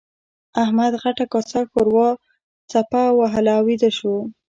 احمد غټه کاسه ښوروا څپه وهله او ويده شو.